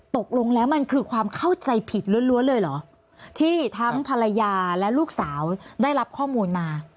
ตกลงแล้วมันคือความเข้าใจผิดล้วนเลยเหรอที่ทั้งภรรยาและลูกสาวได้รับข้อมูลมา